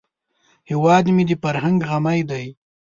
هیواد مې د فرهنګ غمی دی